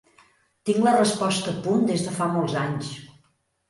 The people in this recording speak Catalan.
Tinc la resposta a punt des de fa molts anys.